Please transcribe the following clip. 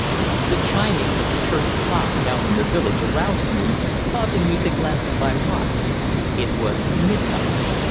The chiming of the church clock down in the village aroused me, causing me to glance at my watch. It was midnight.